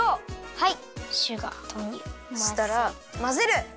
はい！